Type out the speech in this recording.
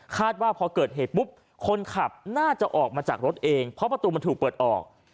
ว่าพอเกิดเหตุปุ๊บคนขับน่าจะออกมาจากรถเองเพราะประตูมันถูกเปิดออก